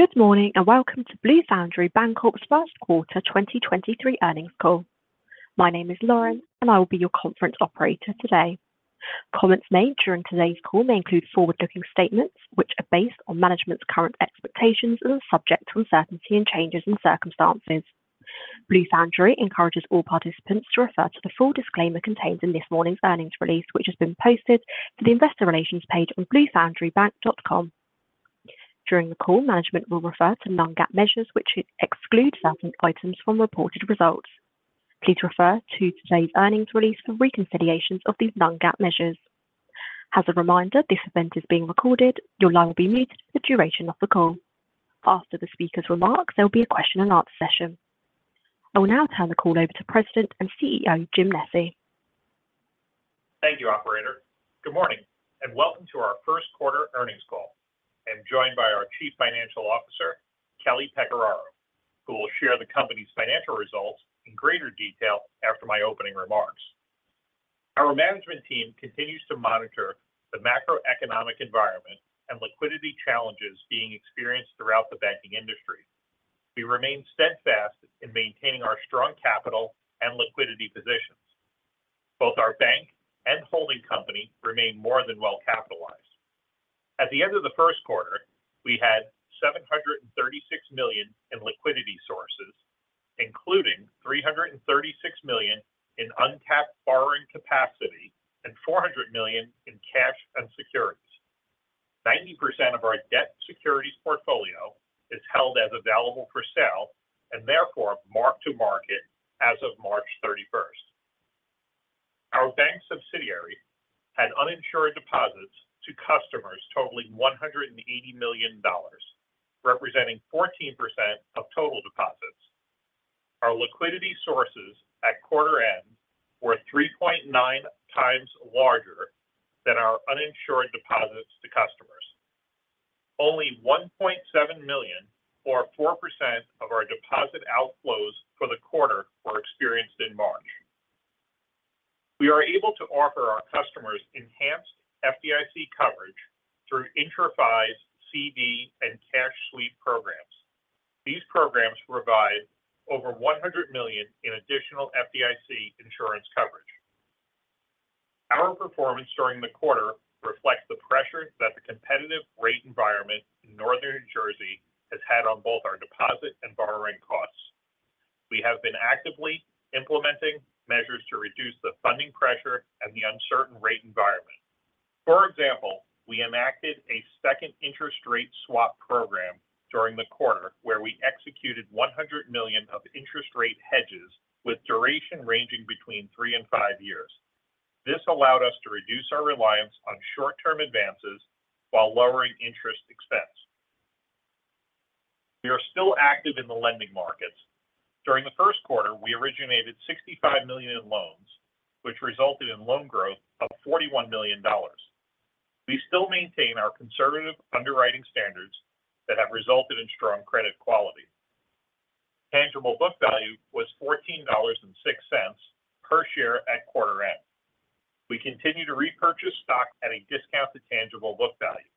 Good morning, and welcome to Blue Foundry Bancorp's 1st quarter 2023 earnings call. My name is Lauren, and I will be your conference operator today. Comments made during today's call may include forward-looking statements which are based on management's current expectations and are subject to uncertainty and changes in circumstances. Blue Foundry encourages all participants to refer to the full disclaimer contained in this morning's earnings release, which has been posted to the investor relations page on bluefoundrybank.com. During the call, management will refer to non-GAAP measures, which exclude certain items from reported results. Please refer to today's earnings release for reconciliations of these non-GAAP measures. As a reminder, this event is being recorded. Your line will be muted for the duration of the call. After the speaker's remarks, there will be a question and answer session. I will now turn the call over to President and CEO, Jim Nesci. Thank you, operator. Good morning, welcome to our first quarter earnings call. I'm joined by our Chief Financial Officer, Kelly Pecoraro, who will share the company's financial results in greater detail after my opening remarks. Our management team continues to monitor the macroeconomic environment and liquidity challenges being experienced throughout the banking industry. We remain steadfast in maintaining our strong capital and liquidity positions. Both our bank and holding company remain more than well capitalized. At the end of the first quarter, we had $736 million in liquidity sources, including $336 million in untapped borrowing capacity and $400 million in cash and securities. 90% of our debt securities portfolio is held as available for sale and therefore marked to market as of March 31. Our bank subsidiary had uninsured deposits to customers totaling $180 million, representing 14% of total deposits. Our liquidity sources at quarter end were 3.9 times larger than our uninsured deposits to customers. Only $1.7 million, or 4% of our deposit outflows for the quarter were experienced in March. We are able to offer our customers enhanced FDIC coverage through IntraFi's CD and cash sweep programs. These programs provide over $100 million in additional FDIC insurance coverage. Our performance during the quarter reflects the pressure that the competitive rate environment in Northern New Jersey has had on both our deposit and borrowing costs. We have been actively implementing measures to reduce the funding pressure and the uncertain rate environment. For example, we enacted a second interest rate swap program during the quarter where we executed $100 million of interest rate hedges with duration ranging between three and five years. This allowed us to reduce our reliance on short-term advances while lowering interest expense. We are still active in the lending markets. During the first quarter, we originated $65 million in loans, which resulted in loan growth of $41 million. We still maintain our conservative underwriting standards that have resulted in strong credit quality. Tangible book value was $14.06 per share at quarter end. We continue to repurchase stock at a discount to tangible book value.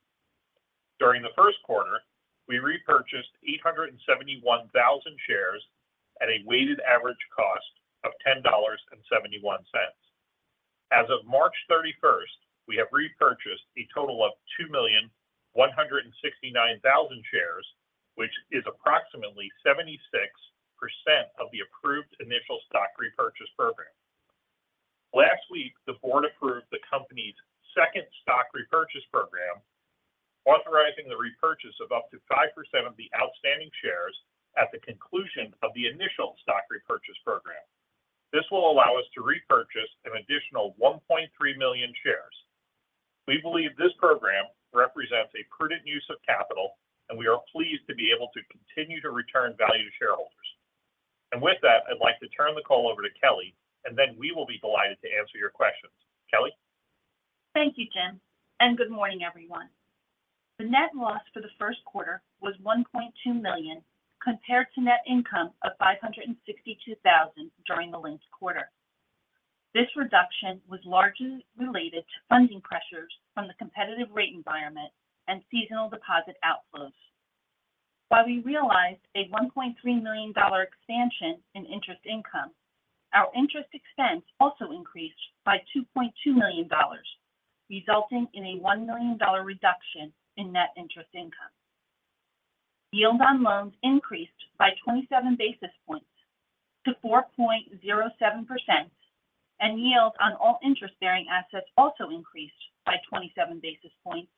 During the first quarter, we repurchased 871,000 shares at a weighted average cost of $10.71. As of March 31, we have repurchased a total of 2,169,000 shares, which is approximately 76% of the approved initial stock repurchase program. Last week, the board approved the company's second stock repurchase program, authorizing the repurchase of up to 5% of the outstanding shares at the conclusion of the initial stock repurchase program. This will allow us to repurchase an additional 1.3 million shares. We believe this program represents a prudent use of capital, and we are pleased to be able to continue to return value to shareholders. With that, I'd like to turn the call over to Kelly, and then we will be delighted to answer your questions. Kelly? Thank you, Jim. Good morning, everyone. The net loss for the first quarter was $1.2 million, compared to net income of $562,000 during the linked quarter. This reduction was largely related to funding pressures from the competitive rate environment and seasonal deposit outflows. While we realized a $1.3 million expansion in interest income, our interest expense also increased by $2.2 million, resulting in a $1 million reduction in net interest income. Yield on loans increased by 27 basis points to 4.07%. Yield on all interest-bearing assets also increased by 27 basis points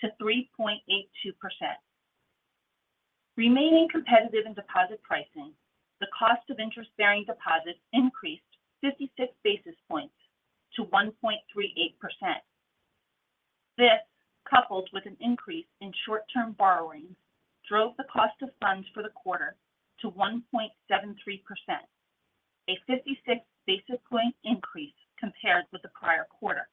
to 3.82%. Remaining competitive in deposit pricing, the cost of interest-bearing deposits increased 56 basis points to 1.38%. This, coupled with an increase in short-term borrowings, drove the cost of funds for the quarter to 1.73%, a 56 basis point increase compared with the prior quarter.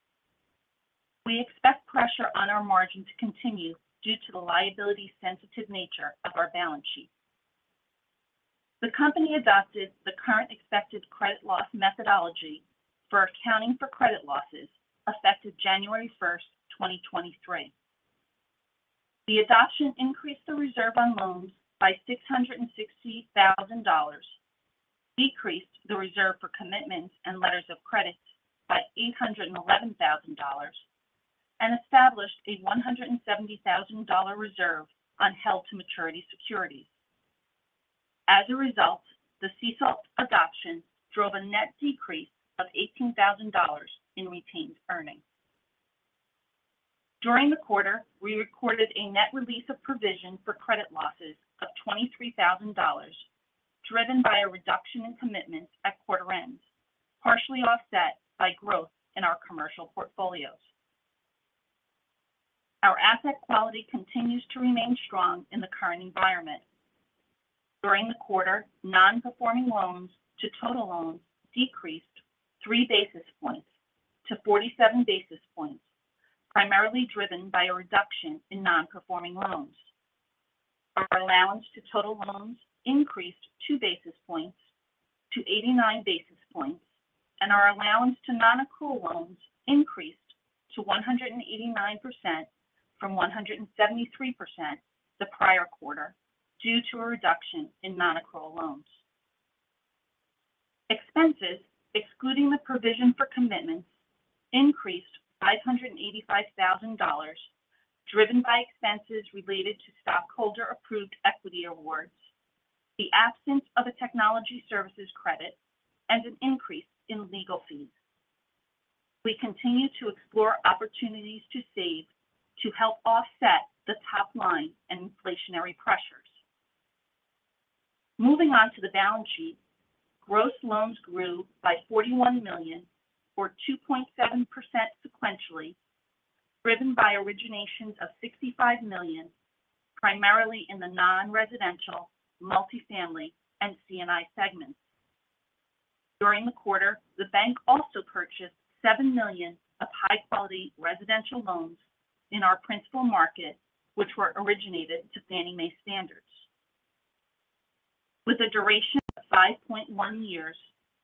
We expect pressure on our margin to continue due to the liability-sensitive nature of our bank. The company adopted the current expected credit loss methodology for accounting for credit losses effective January 1, 2023. The adoption increased the reserve on loans by $660,000, decreased the reserve for commitments and letters of credit by $811,000, and established a $170,000 reserve on held-to-maturity securities. As a result, the CECL adoption drove a net decrease of $18,000 in retained earnings. During the quarter, we recorded a net release of provision for credit losses of $23,000, driven by a reduction in commitments at quarter end, partially offset by growth in our commercial portfolios. Our asset quality continues to remain strong in the current environment. During the quarter, non-performing loans to total loans decreased 3 basis points to 47 basis points, primarily driven by a reduction in non-performing loans. Our allowance to total loans increased two basis points to 89 basis points, and our allowance to non-accrual loans increased to 189% from 173% the prior quarter due to a reduction in non-accrual loans. Expenses, excluding the provision for commitments, increased $585,000, driven by expenses related to stockholder-approved equity awards, the absence of a technology services credit, and an increase in legal fees. We continue to explore opportunities to save to help offset the top line and inflationary pressures. Moving on to the balance sheet. Gross loans grew by $41 million or 2.7% sequentially, driven by originations of $65 million, primarily in the non-residential, multifamily, and C&I segments. During the quarter, the bank also purchased $7 million of high-quality residential loans in our principal market, which were originated to Fannie Mae standards. With a duration of 5.1 years,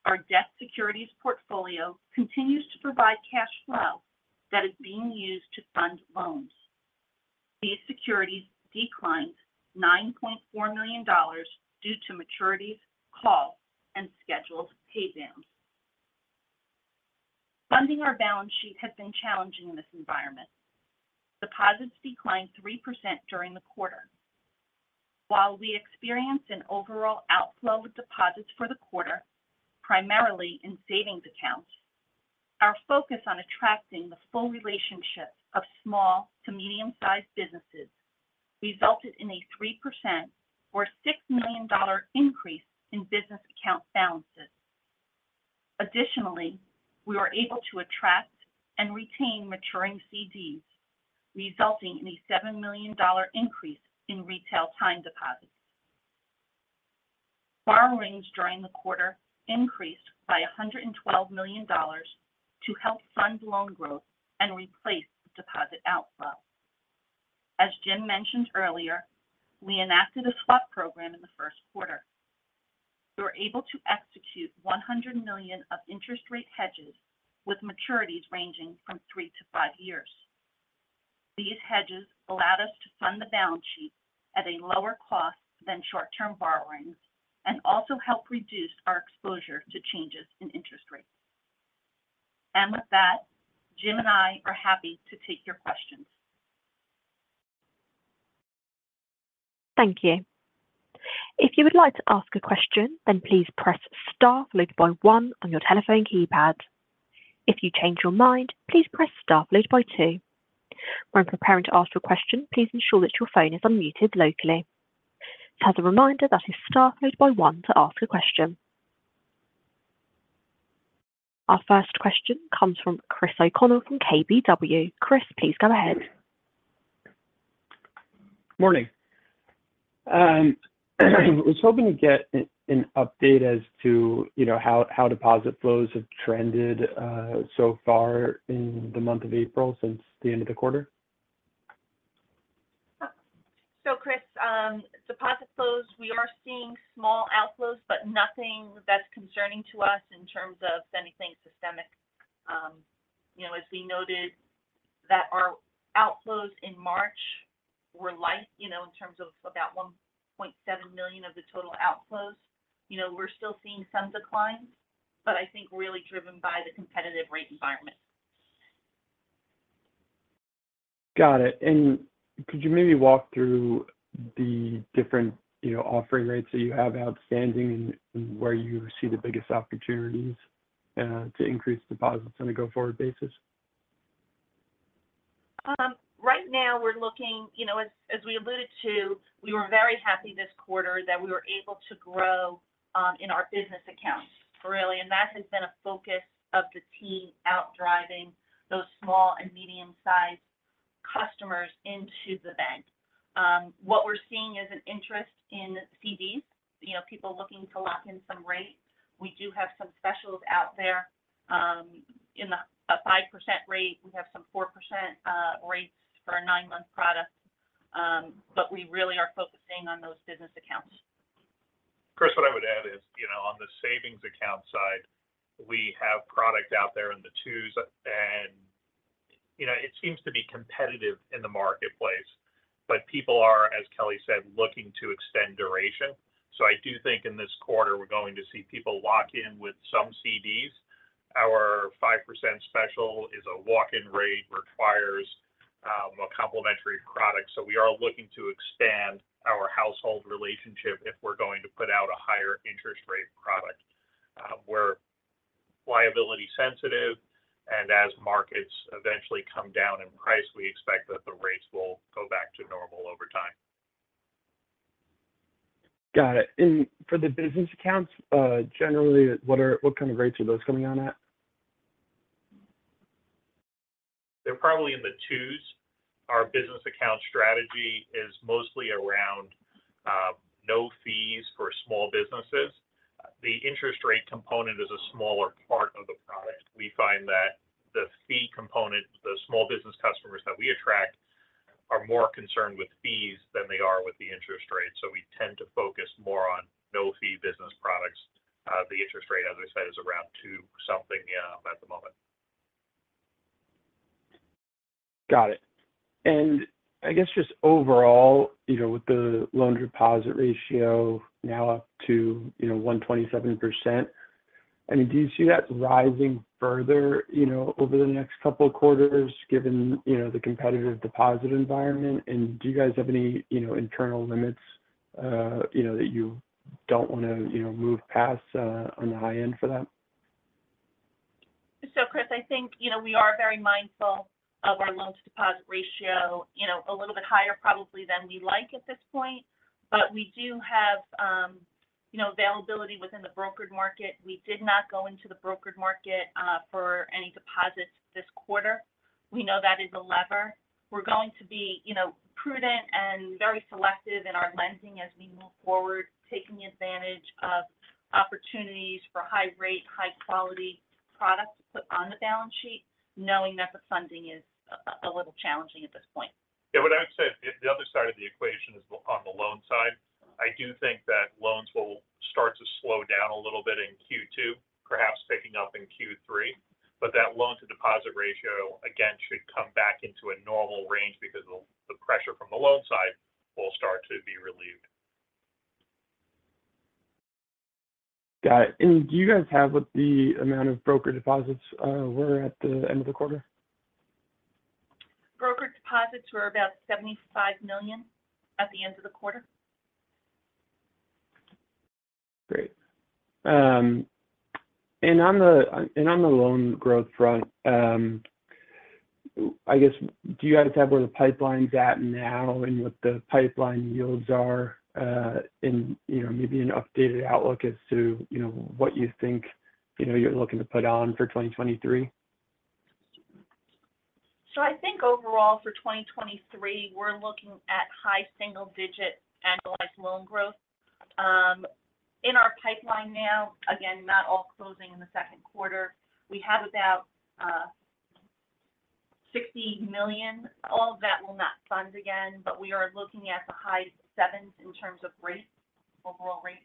our debt securities portfolio continues to provide cash flow that is being used to fund loans. These securities declined $9.4 million due to maturities, calls, and scheduled pay downs. Funding our balance sheet has been challenging in this environment. Deposits declined 3% during the quarter. While we experienced an overall outflow of deposits for the quarter, primarily in savings accounts, our focus on attracting the full relationship of small to medium-sized businesses resulted in a 3% or $6 million increase in business account balances. Additionally, we were able to attract and retain maturing CDs, resulting in a $7 million increase in retail time deposits. Borrowings during the quarter increased by $112 million to help fund loan growth and replace the deposit outflow. As Jim mentioned earlier, we enacted an interest rate swap program in the first quarter. We were able to execute $100 million of interest rate hedges with maturities ranging from three to five years. These hedges allowed us to fund the balance sheet at a lower cost than short-term borrowings and also help reduce our exposure to changes in interest rates. With that, Jim and I are happy to take your questions. Thank you. If you would like to ask a question, then please press star followed by one on your telephone keypad. If you change your mind, please press star followed by two. When preparing to ask your question, please ensure that your phone is unmuted locally. As a reminder, that is star followed by one to ask a question. Our first question comes from Chris O'Connell from KBW. Chris, please go ahead. Morning. I was hoping to get an update as to, you know, how deposit flows have trended so far in the month of April since the end of the quarter. Chris, deposit flows, we are seeing small outflows, but nothing that's concerning to us in terms of anything systemic. You know, as we noted that our outflows in March were light, you know, in terms of about $1.7 million of the total outflows. You know, we're still seeing some declines, but I think really driven by the competitive rate environment. Got it. Could you maybe walk through the different, you know, offering rates that you have outstanding and where you see the biggest opportunities to increase deposits on a go-forward basis? Right now, you know, as we alluded to, we were very happy this quarter that we were able to grow in our business accounts really. That has been a focus of the team, out driving those small and medium-sized customers into the bank. What we're seeing is an interest in CDs. You know, people looking to lock in some rates. We do have some specials out there in the rate. We have some 4% rates for our nine-month product. We really are focusing on those business accounts. Chris, what I would add is, you know, on the savings account side, we have product out there in the twos. You know, it seems to be competitive in the marketplace. People are, as Kelly said, looking to extend duration. I do think in this quarter we're going to see people lock in with some CDs. Our 5% special is a walk-in rate, requires a complimentary product, so we are looking to expand our household relationship if we're going to put out a higher interest rate product. We're liability sensitive, and as markets eventually come down in price, we expect that the rates will go back to normal over time. Got it. For the business accounts, generally what kind of rates are those coming on at? They're probably in the twos. Our business account strategy is mostly around no fees for small businesses. The interest rate component is a smaller part of the product. We find that the fee component, the small business customers that we attract are more concerned with fees than they are with the interest rate, so we tend to focus more on no-fee business products. The interest rate, as I said, is around two something, yeah, at the moment. Got it. I guess just overall, you know, with the loan deposit ratio now up to, you know, 127%, I mean, do you see that rising further, you know, over the next couple of quarters given, you know, the competitive deposit environment? Do you guys have any, you know, internal limits, you know, that you don't wanna, you know, move past on the high end for that? Chris, I think, you know, we are very mindful of our loans to deposit ratio. You know, a little bit higher probably than we like at this point. We do have, you know, availability within the brokered market. We did not go into the brokered market for any deposits this quarter. We know that is a lever. We're going to be, you know, prudent and very selective in our lending as we move forward, taking advantage of opportunities for high rate, high quality products to put on the balance sheet knowing that the funding is a little challenging at this point. Yeah, what I would say, if the other side of the equation is on the loan side, I do think that loans will start to slow down a little bit in Q2, perhaps picking up in Q3. That loan to deposit ratio again should come back into a normal range because the pressure from the loan side will start to be relieved. Got it. Do you guys have what the amount of broker deposits were at the end of the quarter? Broker deposits were about $75 million at the end of the quarter. Great. On the loan growth front, I guess do you guys have where the pipeline's at now and what the pipeline yields are? You know, maybe an updated outlook as to, you know, what you think, you know, you're looking to put on for 2023. I think overall for 2023, we're looking at high single-digit annualized loan growth. In our pipeline now, again, not all closing in the second quarter, we have about $60 million. All of that will not fund again, we are looking at the high seven in terms of rates, overall rates.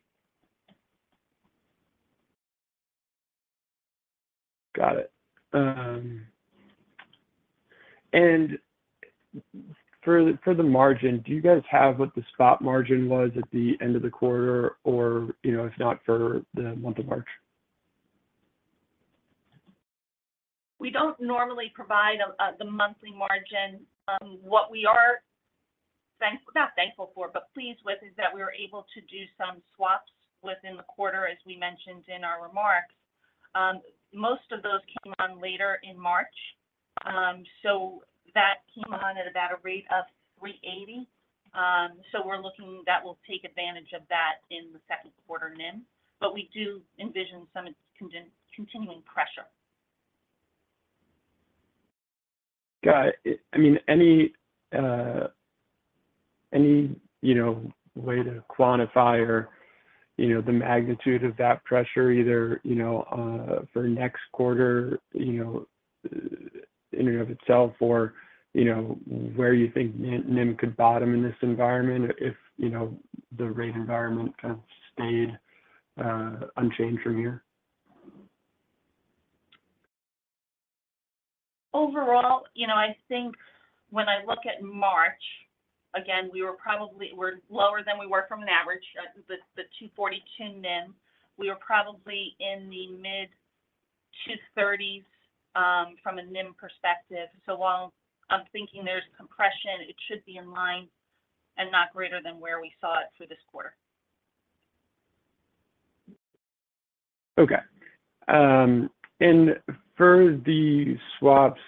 Got it. For, for the margin, do you guys have what the spot margin was at the end of the quarter or, you know, if not for the month of March? We don't normally provide the monthly margin. What we are not thankful for, but pleased with is that we were able to do some swaps within the quarter, as we mentioned in our remarks. Most of those came on later in March. That came on at about a rate of 3.80. We're looking that we'll take advantage of that in the second quarter NIM. We do envision some continuing pressure. Got it. I mean, any, you know, way to quantify or, you know, the magnitude of that pressure either, you know, for next quarter, you know, in and of itself or, you know, where you think NIM could bottom in this environment if, you know, the rate environment kind of stayed unchanged from here? Overall, you know, I think when I look at March, again, we're lower than we were from an average. The 2.42% NIM. We were probably in the mid 2.30s from a NIM perspective. While I'm thinking there's compression, it should be in line and not greater than where we saw it for this quarter. Okay. For the swaps,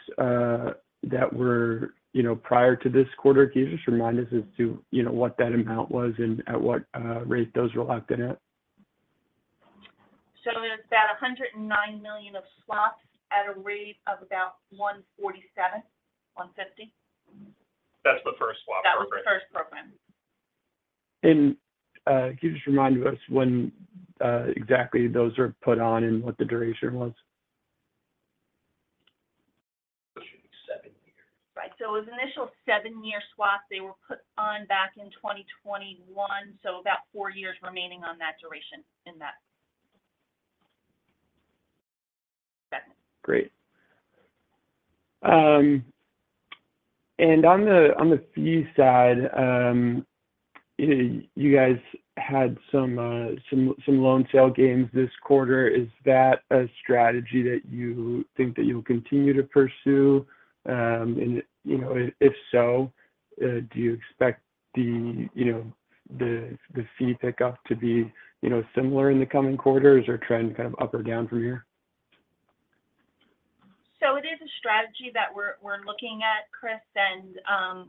that were, you know, prior to this quarter, can you just remind us as to, you know, what that amount was and at what rate those were locked in at? It's about $109 million of swaps at a rate of about 147, 150. That's the first swap program. Can you just remind us when exactly those are put on and what the duration was? It should be seven years. Right. It was initial seven-year swaps. They were put on back in 2021, about four years remaining on that duration in that. Great. On the fee side, you know, you guys had some loan sale gains this quarter. Is that a strategy that you think that you'll continue to pursue? You know, if so, do you expect the fee pickup to be, you know, similar in the coming quarters or trending kind of up or down from here? It is a strategy that we're looking at, Chris,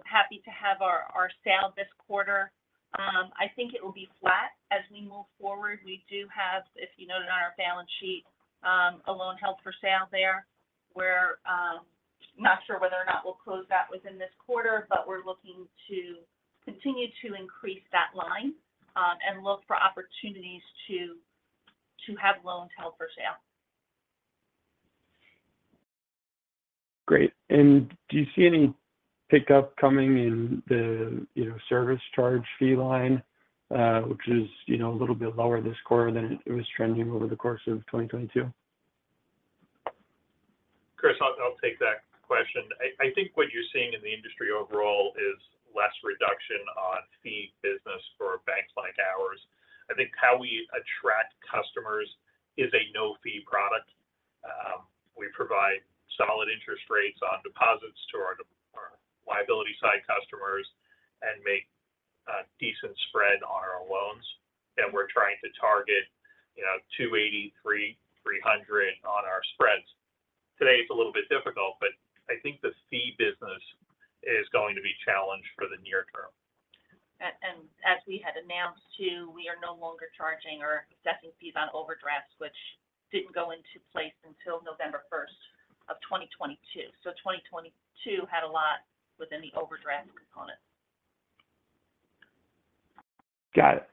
happy to have our sale this quarter. I think it will be flat as we move forward. We do have, if you noted on our balance sheet, a loan held for sale there. We're not sure whether or not we'll close that within this quarter, but we're looking to continue to increase that line and look for opportunities to have loans held for sale. Great. Do you see any pickup coming in the, you know, service charge fee line, which is, you know, a little bit lower this quarter than it was trending over the course of 2022? Chris, I'll take that question. I think what you're seeing in the industry overall is less reduction on fee business for banks like ours. I think how we attract customers is a no-fee product. We provide solid interest rates on deposits to our liability side customers and make a decent spread on our loans. We're trying to target, you know, 280, 3, 300 on our spreads. Today it's a little bit difficult, I think the fee business is going to be challenged for the near term. As we had announced too, we are no longer charging or assessing fees on overdrafts, which didn't go into place until November 1, 2022. 2022 had a lot within the overdraft component. Got it.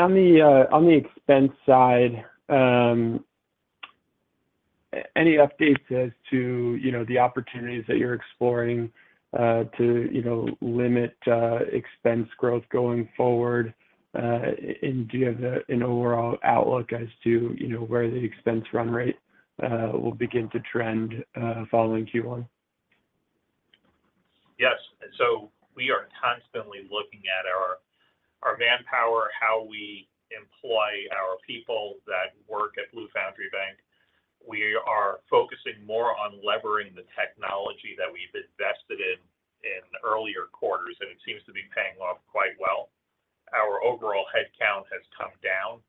On the on the expense side, any updates as to, you know, the opportunities that you're exploring, to, you know, limit expense growth going forward? Do you have an overall outlook as to, you know, where the expense run rate will begin to trend following Q1? Yes. We are constantly looking at our manpower, how we employ our people that work at Blue Foundry Bank. We are focusing more on levering the technology that we've invested in in earlier quarters, and it seems to be paying off quite well. Our overall head count has come down,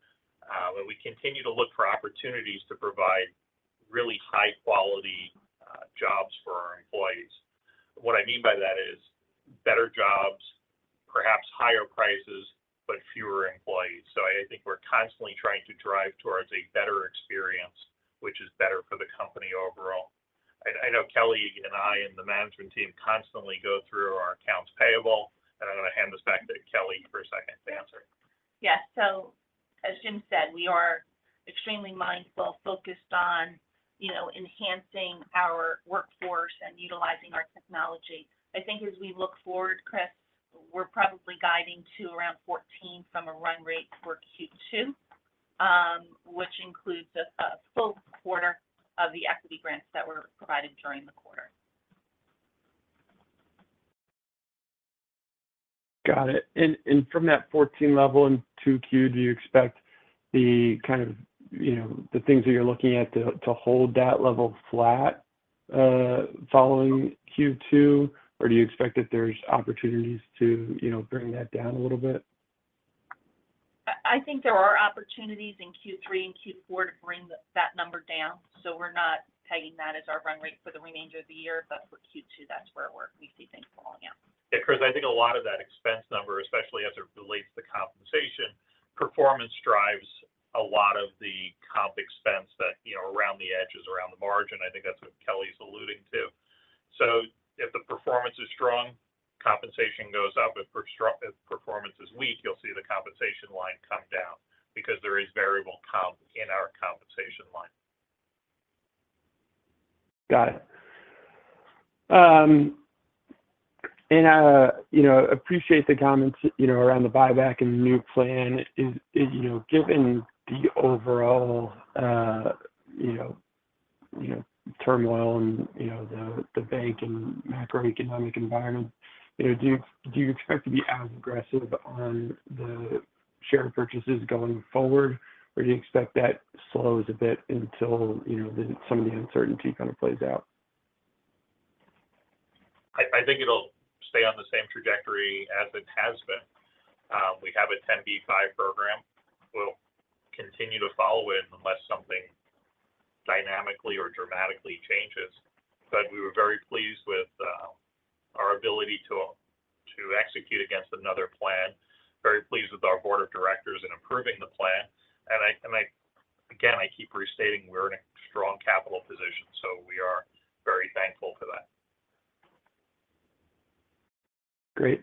but we continue to look for opportunities to provide really high quality jobs for our employees. What I mean by that is better jobs, perhaps higher prices, but fewer employees. I think we're constantly trying to drive towards a better experience, which is better for the company overall. I know Kelly and I and the management team constantly go through our accounts payable. I'm gonna hand this back to Kelly for a second to answer. Yes. As Jim said, we are extremely mindful, focused on, you know, enhancing our workforce and utilizing our technology. I think as we look forward, Chris, we're probably guiding to around 14 from a run rate for Q2, which includes a full quarter of the equity grants that were provided during the quarter. Got it. From that 14 level in 2Q, do you expect the kind of, you know, the things that you're looking at to hold that level flat following Q2? Do you expect that there's opportunities to, you know, bring that down a little bit? I think there are opportunities in Q3 and Q4 to bring that number down. We're not tagging that as our run rate for the remainder of the year. For Q2, that's where we see things falling out. Yeah, Chris, I think a lot of that expense number, especially as it relates to compensation, performance drives a lot of the comp expense that, you know, around the edges, around the margin. I think that's what Kelly's alluding to. If the performance is strong, compensation goes up. If performance is weak, you'll see the compensation line come down because there is variable comp in our compensation line. Got it. You know, appreciate the comments, you know, around the buyback and the new plan. Is, you know, given the overall, you know, turmoil and, you know, the bank and macroeconomic environment, you know, do you expect to be as aggressive on the share purchases going forward, or do you expect that slows a bit until, you know, the, some of the uncertainty kind of plays out? I think it'll stay on the same trajectory as it has been. We have a 10b5-1 program we'll continue to follow in unless something dynamically or dramatically changes. We were very pleased with our ability to execute against another plan. Our board of directors in approving the plan. I again, I keep restating we're in a strong capital position, so we are very thankful for that. Great.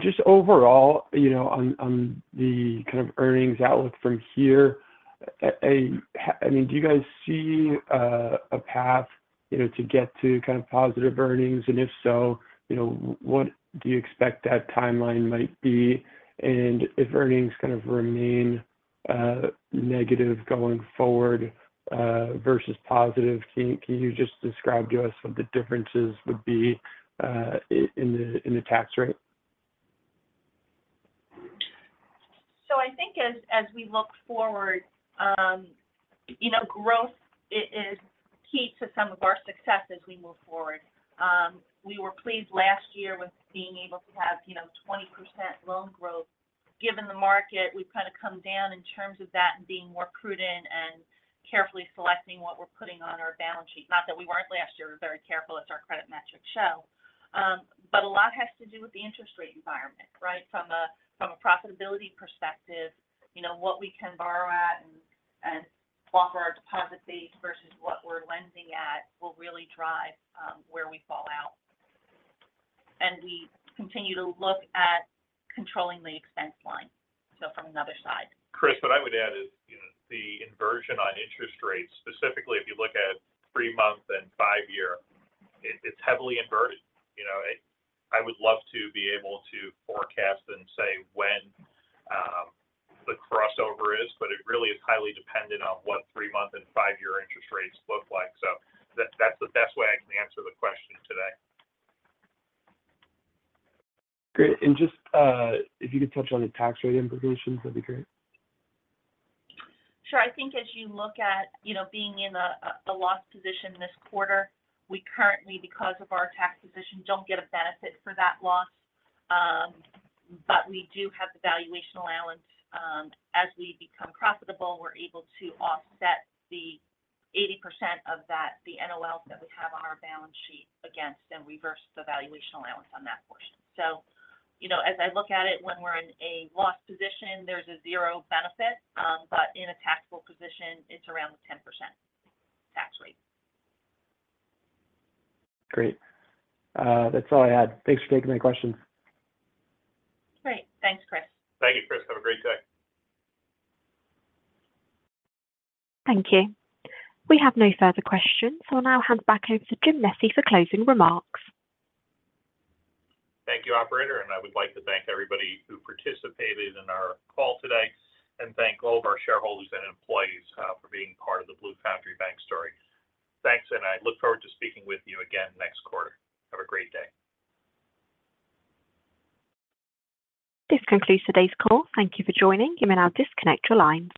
Just overall, you know, on the kind of earnings outlook from here, I mean, do you guys see a path, you know, to get to kind of positive earnings? If so, you know, what do you expect that timeline might be? If earnings kind of remain negative going forward versus positive, can you just describe to us what the differences would be in the tax rate? I think as we look forward, you know, growth is key to some of our success as we move forward. We were pleased last year with being able to have, you know, 20% loan growth. Given the market, we've kind of come down in terms of that and being more prudent and carefully selecting what we're putting on our balance sheet. Not that we weren't last year very careful as our credit metrics show. A lot has to do with the interest rate environment, right? From a profitability perspective, you know, what we can borrow at and offer our deposit base versus what we're lending at will really drive where we fall out. We continue to look at controlling the expense line, so from another side. Chris, what I would add is, you know, the inversion on interest rates, specifically if you look at three-month and five-year, it's heavily inverted. You know, I would love to be able to forecast and say when the crossover is, but it really is highly dependent on what three-month and five-year interest rates look like. That's the best way I can answer the question today. Great. Just, if you could touch on the tax rate implications, that'd be great. Sure. I think as you look at, you know, being in a loss position this quarter, we currently, because of our tax position, don't get a benefit for that loss. We do have the valuation allowance. As we become profitable, we're able to offset the 80% of that, the NOLs that we have on our balance sheet against and reverse the valuation allowance on that portion. You know, as I look at it, when we're in a loss position, there's a zero benefit, but in a taxable position, it's around the 10% tax rate. Great. That's all I had. Thanks for taking my questions. Great. Thanks, Chris. Thank you, Chris. Have a great day. Thank you. We have no further questions. I'll now hand back over to Jim Nesci for closing remarks. Thank you, operator. I would like to thank everybody who participated in our call today and thank all of our shareholders and employees, for being part of the Blue Foundry Bank story. Thanks. I look forward to speaking with you again next quarter. Have a great day. This concludes today's call. Thank you for joining. You may now disconnect your lines.